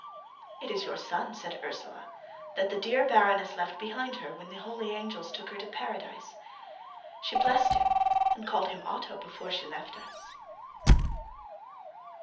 "It is your son," said Ursela, "that the dear Baroness left behind her when the holy angels took her to Paradise. She blessed him and called him Otto before she left us."